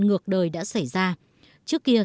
ngược đời đã xảy ra trước kia